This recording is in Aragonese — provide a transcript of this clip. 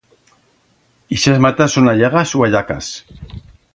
Ixas matas son allagas u allacas.